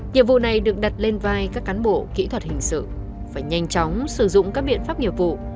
nhiệm vụ này được đặt lên vai các cán bộ kỹ thuật hình sự phải nhanh chóng sử dụng các biện pháp nghiệp vụ